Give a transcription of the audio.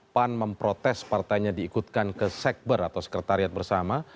pan memprotes partainya diikutkan ke sekber atau sekretariat bersama